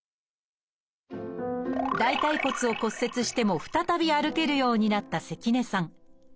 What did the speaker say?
大腿骨を骨折しても再び歩けるようになった関根さん。